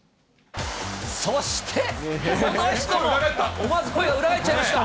そしてこの人も、思わず声が裏返っちゃいました。